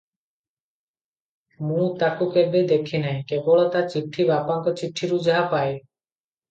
ମୁଁ ତାକୁ କେବେ ଦେଖି ନାହିଁ- କେବଳ ତା' ଚିଠି ବାପାଙ୍କ ଚିଠିରୁ ଯାହା ପାଏ ।